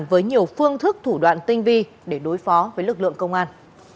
với nhiều phương thức thủ đoạn tinh vi để đối phó với lực lượng công an